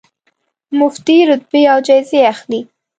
مفتې رتبې او جایزې اخلي.